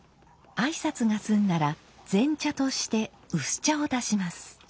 挨拶が済んだら「前茶」として薄茶を出します。